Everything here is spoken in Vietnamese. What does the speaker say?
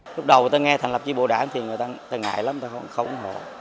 lúc đầu người ta nghe thành lập tri bộ đảng thì người ta từng ngại lắm người ta không ủng hộ